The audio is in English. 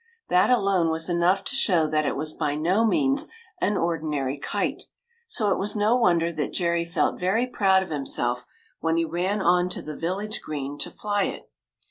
That alone was enough to show that it was by no means an ordinary kite ; so it was no wonder that Jerry felt very proud of himself when he ran on to the village green to fly it.